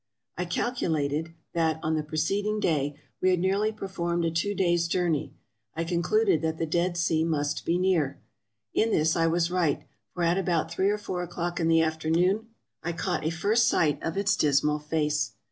I calculated that, on the preceding day, we had nearly performed a two days' journey, I concluded that the Dead Sea must be near. In this I was right; for at about three or four o'clock in the afternoon I caught a first sight of its dismal face.